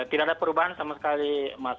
tidak ada perubahan sama sekali mas